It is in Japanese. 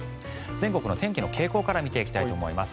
全国の天気の傾向から見ていきたいと思います。